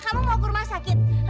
kamu mau ke rumah sakit